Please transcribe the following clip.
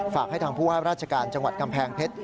ฝากให้ทางผู้ว่าราชการจังหวัดกำแพงเพชร